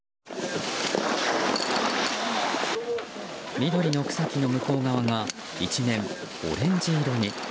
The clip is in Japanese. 緑の草木の向こう側が一面オレンジ色に。